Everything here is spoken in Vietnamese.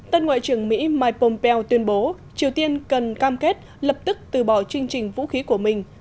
tân ngoại trưởng mỹ mike pompeo tuyên bố triều tiên cần cam kết lập tức từ bỏ chương trình vũ khí của mình